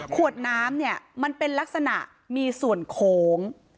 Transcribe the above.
ขวดน้ำมันเป็นลักษณะมีส่วนโขง